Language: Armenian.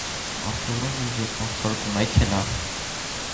Արտադրում է զոդման սարք ու մեքենա։